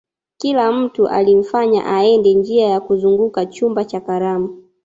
kila mtu alimfanya aende njia ya kuzunguka chumba cha karamu